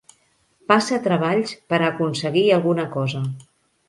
Passa treballs per a aconseguir alguna cosa.